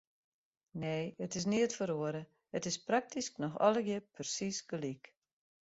Nee, it is neat feroare, it is praktysk noch allegear persiis gelyk.